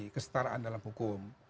kesetaraan dalam hukum